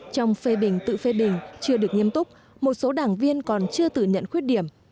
trong phê bình tự phê bình chưa được nghiêm túc một số đảng viên còn chưa tử nhận khuyết điểm